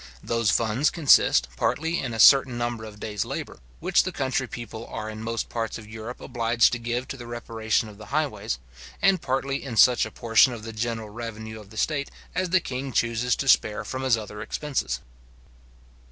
Those funds consist, partly in a certain number of days labour, which the country people are in most parts of Europe obliged to give to the reparation of the highways; and partly in such a portion of the general revenue of the state as the king chooses to spare from his other expenses.